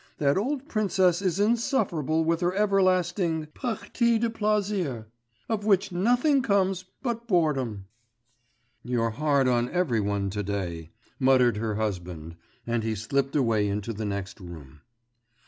That old princess is insufferable with her everlasting parties de plaisir, of which nothing comes but boredom.' 'You're hard on every one to day,' muttered her husband, and he slipped away into the next room.